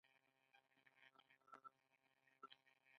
ایا زه پکوړې وخورم؟